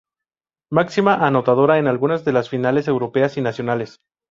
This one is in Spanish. Máxima anotadora en alguna de las finales europeas y nacionales.